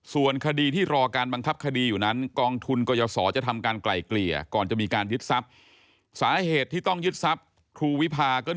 ส่วนคดีที่รอการบังคับคดีอยู่นั้นกองทุนกรยศจะทำการไกลเกลี่ยก่อนจะมีการยึดทรัพย์สาเหตุที่ต้องยึดทรัพย์ครูวิพาก็